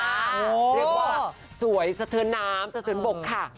เรียกว่าสวยสะเทินน้ำสะเทินบกค่ะ